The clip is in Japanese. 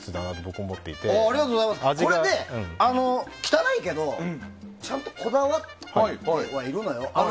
これ、汚いけどちゃんとこだわってはいるのよ。